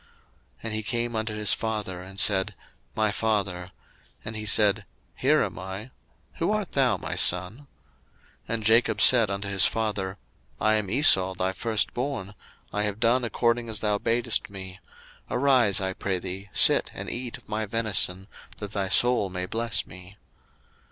01:027:018 And he came unto his father, and said, My father: and he said, Here am I; who art thou, my son? 01:027:019 And Jacob said unto his father, I am Esau thy first born; I have done according as thou badest me: arise, I pray thee, sit and eat of my venison, that thy soul may bless me.